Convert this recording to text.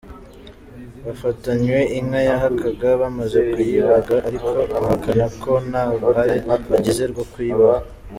Bafatanywe inka yahakaga bamaze kuyibaga ariko bahakana ko nta ruhare bagize rwo kuyiba.